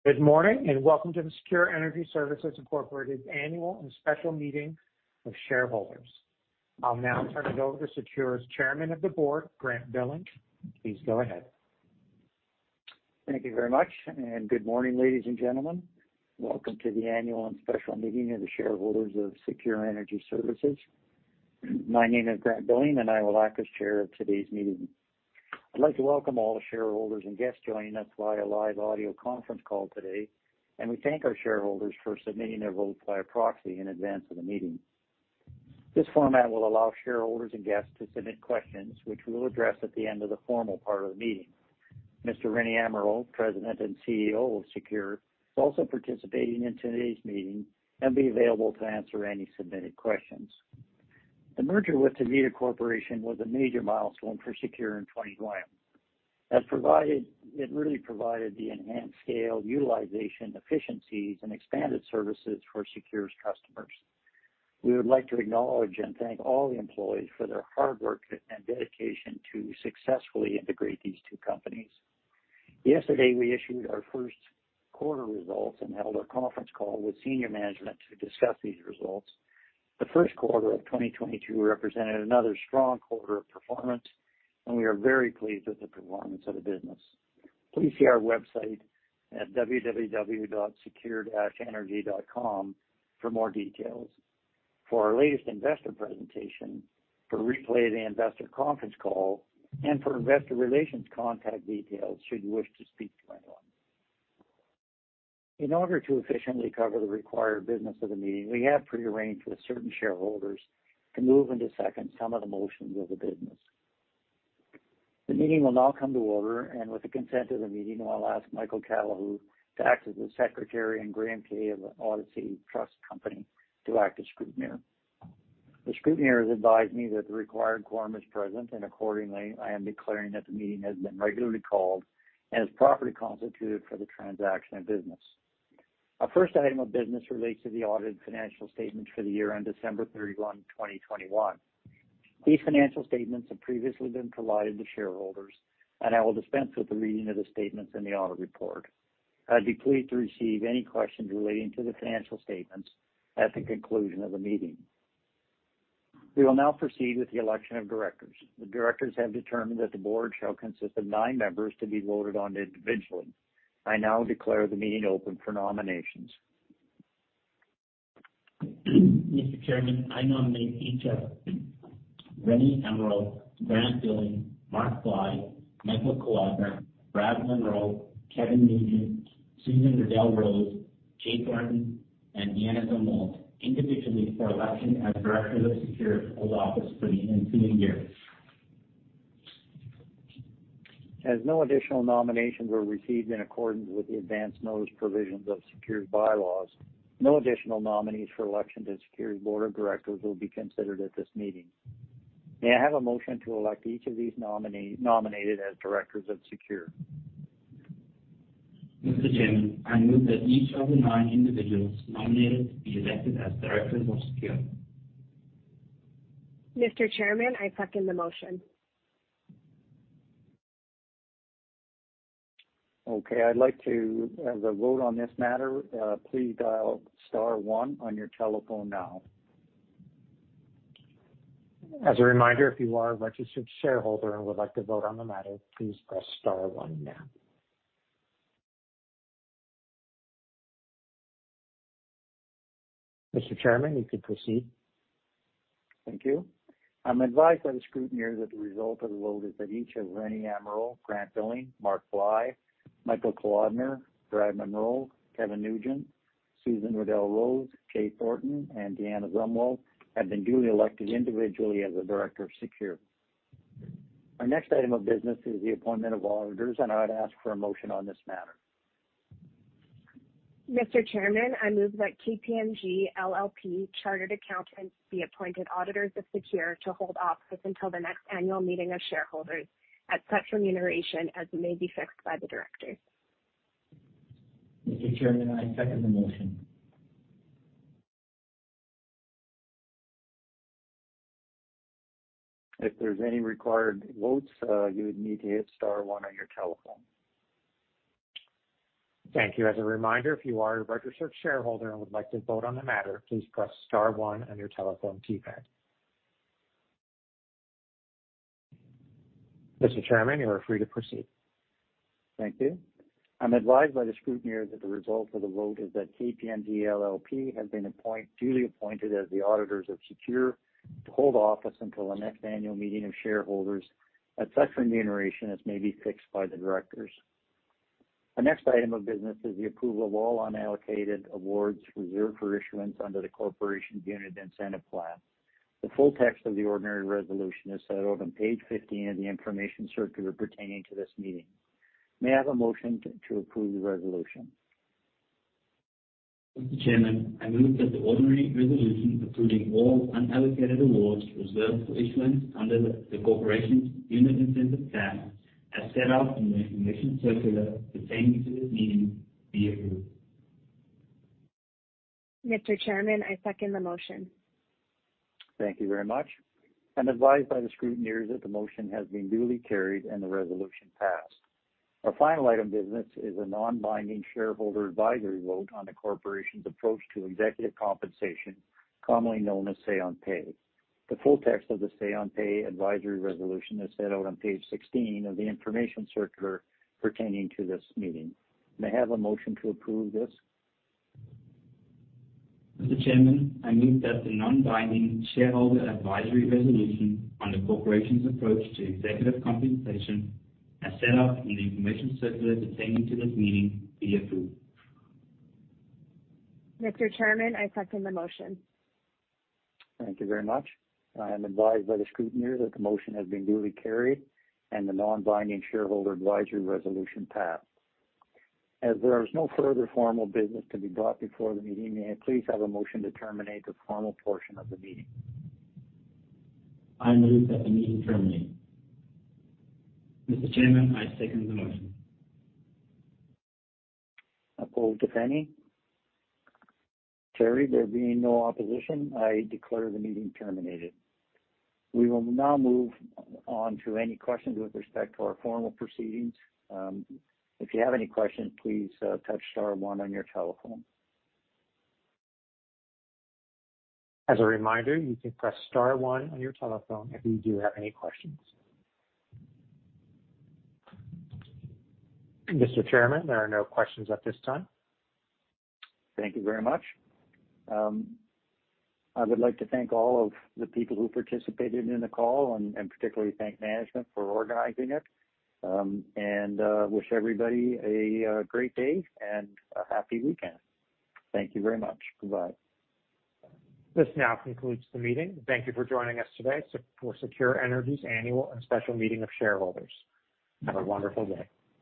Good morning and welcome to the SECURE Energy Services Incorporated Annual and Special Meeting of Shareholders. I'll now turn it over to SECURE's Chairman of the Board, Grant Billing. Please go ahead. Thank you very much, and good morning, ladies and gentlemen. Welcome to the Annual and Special Meeting of the Shareholders of SECURE Energy Services. My name is Grant Billing, and I will act as chair of today's meeting. I'd like to welcome all the shareholders and guests joining us via live audio conference call today, and we thank our shareholders for submitting their votes via proxy in advance of the meeting. This format will allow shareholders and guests to submit questions which we'll address at the end of the formal part of the meeting. Mr. Rene Amirault, President and CEO of SECURE, is also participating in today's meeting and be available to answer any submitted questions. The merger with Tervita Corporation was a major milestone for SECURE in 2021. It really provided the enhanced scale, utilization, efficiencies, and expanded services for SECURE's customers. We would like to acknowledge and thank all the employees for their hard work and dedication to successfully integrate these two companies. Yesterday, we issued our Q1 results and held a conference call with senior management to discuss these results. The Q1 of 2022 represented another strong quarter of performance, and we are very pleased with the performance of the business. Please see our website at www.secure-energy.com for more details. For our latest investor presentation, for replay of the investor conference call, and for investor relations contact details should you wish to speak to anyone. In order to efficiently cover the required business of the meeting, we have pre-arranged with certain shareholders to move and to second some of the motions of the business. The meeting will now come to order, and with the consent of the meeting, I'll ask Michael Callihoo to act as the secretary and Jenna Kaye of Odyssey Trust Company to act as scrutineer. The scrutineers advise me that the required quorum is present, and accordingly, I am declaring that the meeting has been regularly called and is properly constituted for the transaction of business. Our first item of business relates to the audited financial statements for the year ended December 31, 2021. These financial statements have previously been provided to shareholders, and I will dispense with the reading of the statements in the audit report. I'd be pleased to receive any questions relating to the financial statements at the conclusion of the meeting. We will now proceed with the election of directors. The directors have determined that the board shall consist of nine members to be voted on individually. I now declare the meeting open for nominations. Mr. Chairman, I nominate each of Rene Amirault, Grant Billing, Mark Bly, Michael Kolodner, Brad Munro, Kevin Nugent, Sue Riddell Rose, Jay Thornton, and Deanna Zumwalt individually for election as directors of SECURE to hold office for the ensuing year. As no additional nominations were received in accordance with the advance notice provisions of SECURE's bylaws, no additional nominees for election to SECURE's board of directors will be considered at this meeting. May I have a motion to elect each of these nominated as directors of SECURE? Mr. Chairman, I move that each of the nine individuals nominated be elected as directors of SECURE. Mr. Chairman, I second the motion. Okay. I'd like to have the vote on this matter. Please dial star one on your telephone now. As a reminder, if you are a registered shareholder and would like to vote on the matter, please press star one now. Mr. Chairman, you can proceed. Thank you. I'm advised by the scrutineer that the result of the vote is that each of Rene Amirault, Grant Billing, Mark Bly, Michael Kolodner, Brad Munro, Kevin Nugent, Sue Riddell Rose, Jay Thornton, and Deanna Zumwalt have been duly elected individually as a director of SECURE. Our next item of business is the appointment of auditors, and I'd ask for a motion on this matter. Mr. Chairman, I move that KPMG LLP chartered accountants be appointed auditors of SECURE to hold office until the next annual meeting of shareholders at such remuneration as may be fixed by the directors. Mr. Chairman, I second the motion. If there's any required votes, you would need to hit star one on your telephone. Thank you. As a reminder, if you are a registered shareholder and would like to vote on the matter, please press star one on your telephone keypad. Mr. Chairman, you are free to proceed. Thank you. I'm advised by the scrutineer that the result of the vote is that KPMG LLP has been duly appointed as the auditors of SECURE to hold office until the next annual meeting of shareholders at such remuneration as may be fixed by the directors. The next item of business is the approval of all unallocated awards reserved for issuance under the corporation's Unit Incentive Plan. The full text of the ordinary resolution is set out on page 15 of the information circular pertaining to this meeting. May I have a motion to approve the resolution? Mr. Chairman, I move that the ordinary resolution approving all unallocated awards reserved for issuance under the corporation's Unit Incentive Plan as set out in the information circular pertaining to this meeting be approved. Mr. Chairman, I second the motion. Thank you very much. I'm advised by the scrutineers that the motion has been duly carried and the resolution passed. Our final item of business is a non-binding shareholder advisory vote on the corporation's approach to executive compensation, commonly known as say on pay. The full text of the say on pay advisory resolution is set out on page 16 of the information circular pertaining to this meeting. May I have a motion to approve this? Mr. Chairman, I move that the non-binding shareholder advisory resolution on the corporation's approach to executive compensation, as set out in the information circular pertaining to this meeting, be approved. Mr. Chairman, I second the motion. Thank you very much. I am advised by the scrutineers that the motion has been duly carried and the non-binding shareholder advisory resolution passed. As there is no further formal business to be brought before the meeting, may I please have a motion to terminate the formal portion of the meeting? I move that the meeting terminate. Mr. Chairman, I second the motion. Opposed, if any? Carried. There being no opposition, I declare the meeting terminated. We will now move on to any questions with respect to our formal proceedings. If you have any questions, please touch star one on your telephone. As a reminder, you can press star one on your telephone if you do have any questions. Mr. Chairman, there are no questions at this time. Thank you very much. I would like to thank all of the people who participated in the call and particularly thank management for organizing it and wish everybody a great day and a happy weekend. Thank you very much. Goodbye. This now concludes the meeting. Thank you for joining us today for SECURE Energy's annual and special meeting of shareholders. Have a wonderful day.